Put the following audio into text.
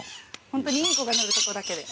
ホントにインコが乗るとこだけで。